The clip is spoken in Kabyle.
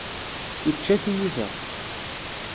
Yečča tiyita.